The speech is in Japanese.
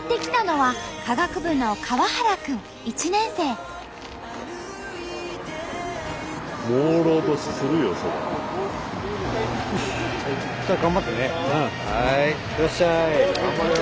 はいいってらっしゃい。